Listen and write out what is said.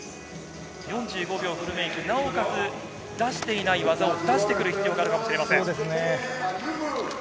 ４５秒フルメイクなおかつ出していない技を出していく必要があるかもしれません。